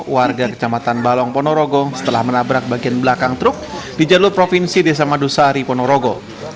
warga kecamatan balong ponorogo setelah menabrak bagian belakang truk di jalur provinsi desa madusari ponorogo